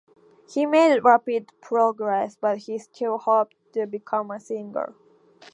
He made rapid progress but he still hoped to become a singer.